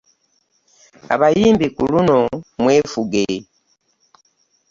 Abayimbi ku luno mwefuge.